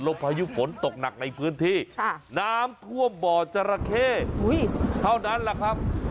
พายุฝนตกหนักในพื้นที่น้ำท่วมบ่อจราเข้เท่านั้นแหละครับ